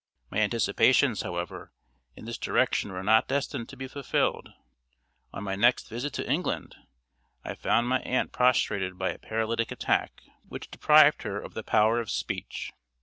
My anticipations, however, in this direction were not destined to be fulfilled. On my next visit to England I found my aunt prostrated by a paralytic attack, which deprived her of the power of speech.